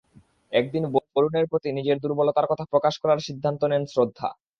একদিন বরুণের প্রতি নিজের দুর্বলতার কথা প্রকাশ করার সিদ্ধান্ত নেন শ্রদ্ধা।